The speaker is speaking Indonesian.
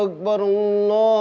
allahu akbar allahu akbar